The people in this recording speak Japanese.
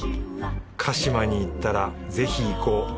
鹿嶋に行ったらぜひ行こう。